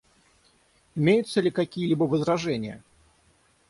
Имеются ли какие-либо возражения?